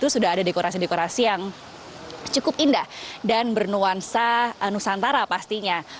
sudah ada dekorasi dekorasi yang cukup indah dan bernuansa nusantara pastinya